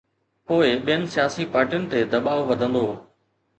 پوءِ ٻين سياسي پارٽين تي دٻاءُ وڌندو.